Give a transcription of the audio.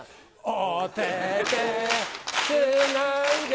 お手てつないで。